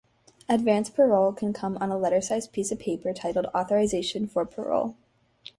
Advance parole can come on a letter-sized piece of paper titled "Authorization for Parole".